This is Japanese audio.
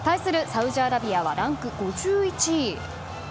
サウジアラビアはランク５１位。